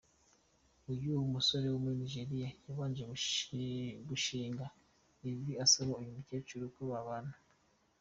Uyu musore wo muri Nigeria yabanje gushinga ivi asaba uyu mukecuru ko babana.